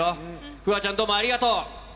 楓空ちゃん、どうもありがとう。